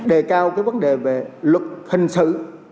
đề cao cái vấn đề về luật hình sự